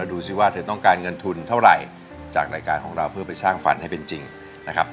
ดูสิว่าเธอต้องการเงินทุนเท่าไหร่จากรายการของเราเพื่อไปสร้างฝันให้เป็นจริงนะครับ